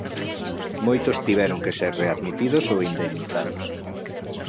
Moitos tiveron que ser readmitidos ou indemnizados.